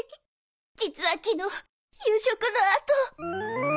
実は昨日夕食のあと。